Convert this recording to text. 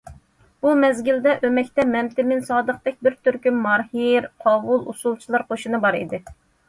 بۇ مەزگىلدە ئۆمەكتە مەمتىمىن سادىقتەك بىر تۈركۈم ماھىر، قاۋۇل ئۇسسۇلچىلار قوشۇنى بار ئىدى.